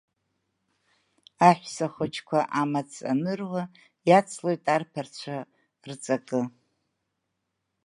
Аҳәса хуҷқәа амаҵ ныруа, иацлоит арԥарцәа рҵакы.